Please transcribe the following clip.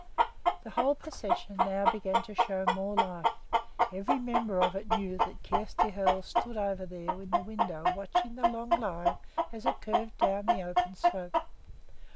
The whole procession now began to show more life. Every member of it knew that Kjersti Hoel stood over there in the window watching the long line as it curved down the open slope.